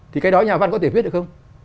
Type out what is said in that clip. thì cái đó nhà văn có thể viết được không